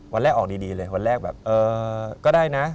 วันแรกออกดีเลยวันแรกแบบเออก็ได้นะ